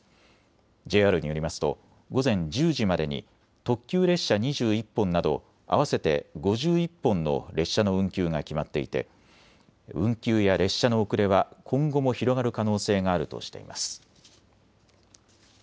ＪＲによりますと午前１０時までに特急列車２１本など合わせて５１本の列車の運休が決まっていて運休や列車の遅れは今後も広がる可能性があるとしています。